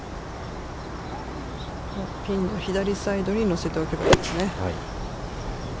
ピンの左サイドに乗せておけばいいですね。